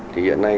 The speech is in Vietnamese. thì hiện nay